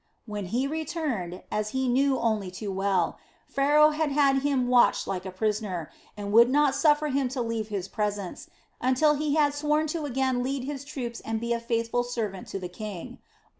When he returned as he knew only too well Pharaoh had had him watched like a prisoner and would not suffer him to leave his presence until he had sworn to again lead his troops and be a faithful servant to the king.